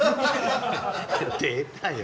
「出たよ。